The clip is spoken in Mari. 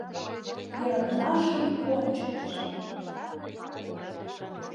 Йӧратымашым ончыктыжо!